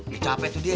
dicapai tuh dia